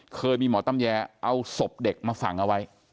เคยมีหมอตำแยเอาศพเด็กมาฝังเอาไว้